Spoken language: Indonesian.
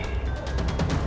tunggu waktu lagi